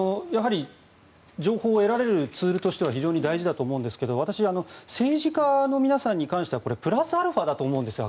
情報を得られるツールとしては大事だと思うんですけど私、政治家の皆さんに関してはあくまでプラスアルファだと思うんです。